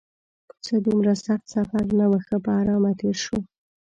څه دومره سخت سفر نه و، ښه په ارامه تېر شو.